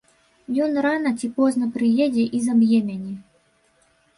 Ён рана ці позна прыедзе і заб'е мяне.